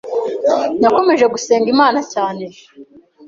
Nakomeje gusenga Imana cyane